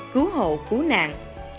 cứu hộ cứu nạn